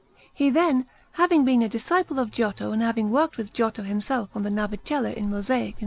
He, then, having been a disciple of Giotto and having worked with Giotto himself on the Navicella in mosaic in S.